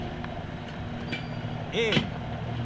「映画」。